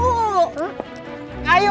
dengerin aku dulu